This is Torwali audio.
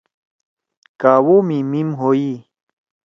کاوہ می میِم ہوئی۔